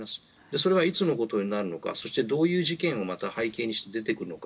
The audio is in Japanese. それがいつのことになるのかどういう事件を背景にして出てくるのか。